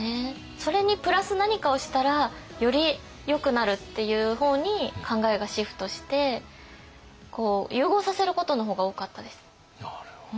それにプラス何かをしたらよりよくなるっていう方に考えがシフトして融合させることの方が多かったです。